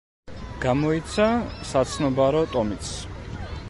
გამოიცა საცნობარო ტომიც.